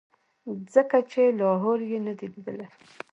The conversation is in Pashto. ځکه چې لاهور یې نه دی لیدلی.